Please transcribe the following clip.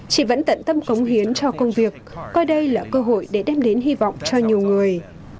chị vẫn tận tâm cống hiến cho công việc coi đây là cơ hội để đem đến hy vọng cho nhiều người